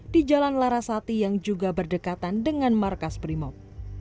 di jalan larasati yang juga berdekatan dengan markas brimob